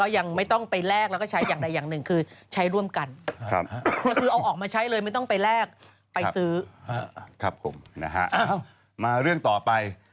ยิงปลาใช่ไหมยิงปลาไง